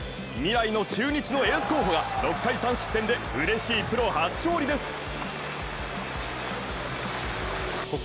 未来の中日のエース候補が６回３失点でうれしいプロ初勝利です。